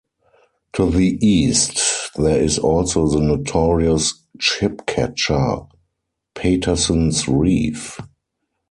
To the east there is also the notorious "ship catcher", Paterson's Reef.